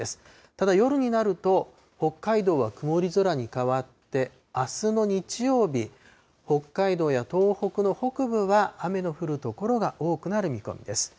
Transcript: ただ、夜になると北海道は曇り空に変わって、あすの日曜日、北海道や東北の北部は雨の降る所が多くなる見込みです。